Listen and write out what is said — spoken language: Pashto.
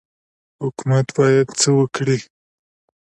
حکومت باید څه وکړي؟